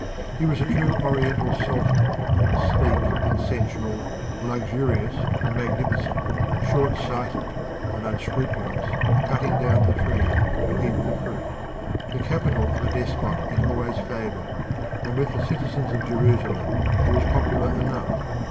He was a true Oriental sultan, sleek and sensual, luxurious and magnificent, short sighted and unscrupulous, cutting down the tree to eat the fruit. The capital of a despot is always favoured, and with the citizens of Jerusalem he was popular enough.